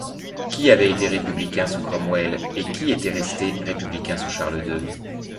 Qui avait été républicain sous Cromwell, et qui était resté républicain sous Charles deux ?